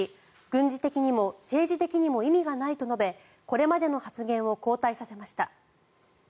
軍事的にも政治的にも意味がないと述べこれまでの発言を後退させました。